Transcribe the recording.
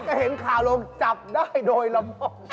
เห็นข่าวลงจับได้โดยละม่อม